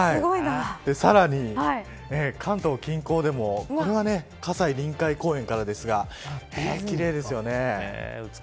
さらに関東近郊でもこれは葛西臨海公園からですが奇麗ですよね。